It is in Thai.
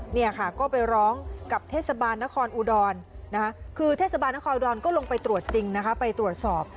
เนี่ยค่ะก็ไปร้องกับเทศบาลนครอุดรนะคะคือเทศบาลนครอุดรก็ลงไปตรวจจริงนะคะไปตรวจสอบ